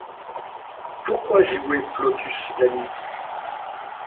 Pourquoi jouer Plautus la nuit ?